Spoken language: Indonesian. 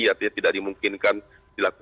ya tidak dimungkinkan dilakukan